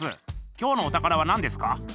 きょうのお宝はなんですか？